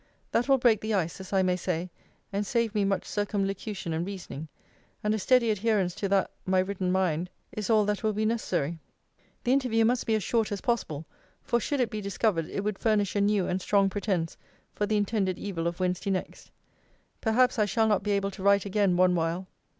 That will break the ice, as I may say, and save me much circumlocution and reasoning: and a steady adherence to that my written mind is all that will be necessary. The interview must be as short as possible; for should it be discovered, it would furnish a new and strong pretence for the intended evil of Wednesday next. Perhaps I shall not be able to write again one while.